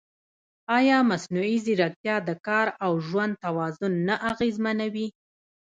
ایا مصنوعي ځیرکتیا د کار او ژوند توازن نه اغېزمنوي؟